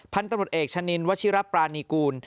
พันธุ์ตำรวจเอกชะนินวชิรปรานีกูล